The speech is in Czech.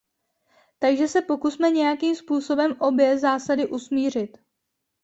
Takže se pokusme nějakým způsobem obě zásady usmířit.